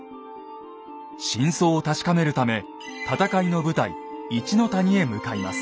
真相を確かめるため戦いの舞台一の谷へ向かいます。